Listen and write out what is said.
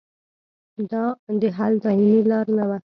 د حل دایمي لار نه وه.